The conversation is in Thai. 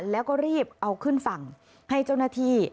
แล้วก็รีบเอาขึ้นฝั่งให้เจ้าหน้าที่